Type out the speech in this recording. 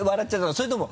それとも。